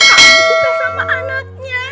suka sama anaknya